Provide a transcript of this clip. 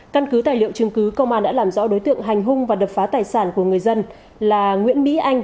căn cứ tài liệu chứng cứ công an đã làm rõ đối tượng hành hung và đập phá tài sản của người dân là nguyễn mỹ anh